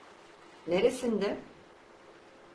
Neresinde?